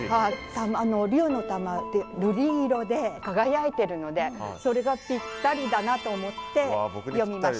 竜の玉って瑠璃色で輝いてるのでそれがぴったりだなと思って詠みました。